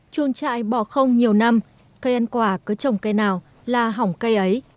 chuôn trại bò không nhiều năm cây ăn quả cứ trồng cây nào là hỏng cây ấy